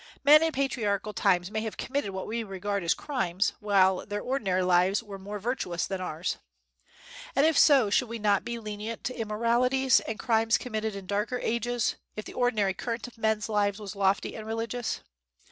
Men in patriarchal times may have committed what we regard as crimes, while their ordinary lives were more virtuous than ours. And if so, should we not be lenient to immoralities and crimes committed in darker ages, if the ordinary current of men's lives was lofty and religious?